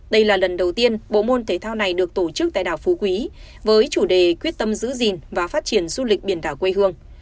đây là lần đầu tiên bộ môn thể thao này được tổ chức tại đảo phú quý với chủ đề quyết tâm giữ gìn và phát triển du lịch biển đảo quê hương